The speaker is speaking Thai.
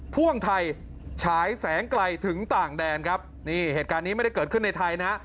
พ่วงไทยฉายแสงไกลถึงต่างแดนครับนี่เหตุการณ์นี้ไม่ได้เกิดขึ้นในไทยนะ